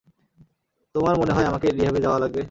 তোমার মনে হয় আমাকে রিহ্যাবে যাওয়া লাগবে?